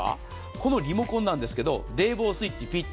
このリモコンなんですが冷房スイッチをピッと。